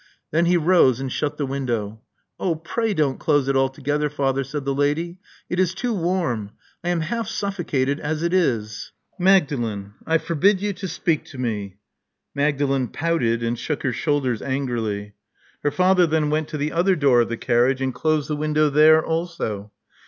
Then he rose, and shut the window. Oh, pray don't close it altogether, father," said the lady. It is too warm. I am half suffocated as it is.'' Magdalen: I forbid you to speak to me." Mag dalen pouted, and shook her shoulders angrily. Her father then went to the other door of the carriage, and closed the window there also.